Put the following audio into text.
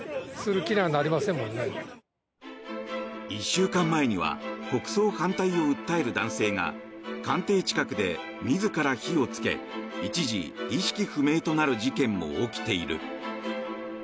１週間前には国葬反対を訴える男性が官邸近くで自ら火をつけ一時、意識不明となる事件も起きている。